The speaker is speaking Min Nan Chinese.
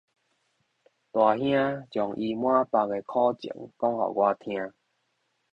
大兄將伊滿腹的苦情講予我聽